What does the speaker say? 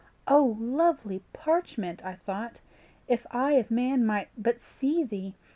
Oh lovely parchment!' I thought 'if eye of man might but see thee!